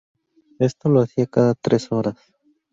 Esto lo hacía cada tres horas.